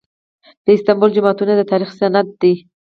د استانبول جوماتونه د تاریخ سند دي.